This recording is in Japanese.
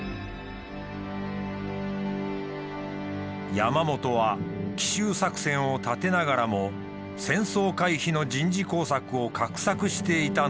山本は奇襲作戦を立てながらも戦争回避の人事工作を画策していたのだった。